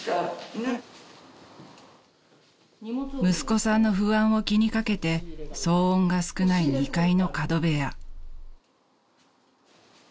［息子さんの不安を気に掛けて騒音が少ない２階の角部屋］